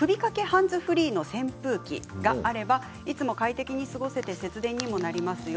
ハンズフリーの扇風機があればいつも快適に過ごせて節電になります。